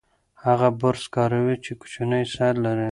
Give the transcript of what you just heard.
هغه برس کاروي چې کوچنی سر لري.